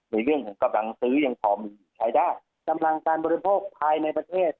ในเรื่องของกำลังซื้อยังพอมีใช้ได้กำลังการบริโภคภายในประเทศ